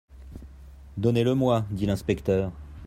Donnez-le-moi, dit l'inspecteur.